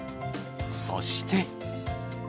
そして。